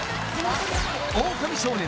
「オオカミ少年」